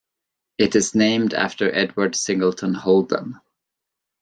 It is named after Edward Singleton Holden.